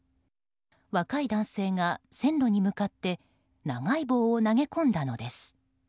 若い男性が線路に向かって長い棒を投げ込んだのです。